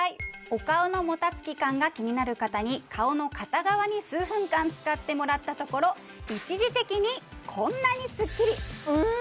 お顔のもたつき感が気になる方に顔の片側に数分間使ってもらったところ一時的にこんなにスッキリええ！